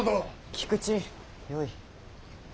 菊池よい。